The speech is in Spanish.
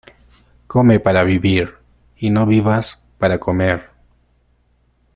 Come para vivir y no vivas para comer.